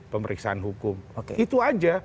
pemeriksaan hukum itu aja